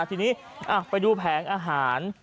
ทีนี้ไปดูแผงอาหาร